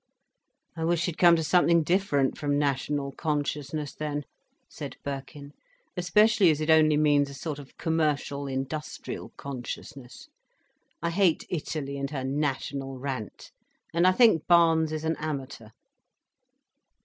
"I wish she'd come to something different from national consciousness, then," said Birkin; "especially as it only means a sort of commercial industrial consciousness. I hate Italy and her national rant. And I think Barnes is an amateur."